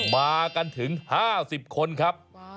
มากันถึง๕๐คนครับ